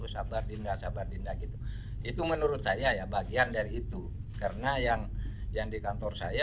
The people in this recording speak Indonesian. sabar dinda sabar dinda gitu itu menurut saya ya bagian dari itu karena yang yang di kantor saya